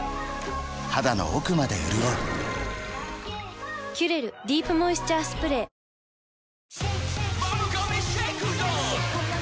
肌の奥まで潤う「キュレルディープモイスチャースプレー」よしっ！